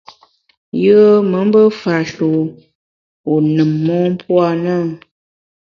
Yùe me mbe fash’e wu wu nùm mon puo a na ?